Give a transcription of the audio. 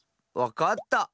わかった。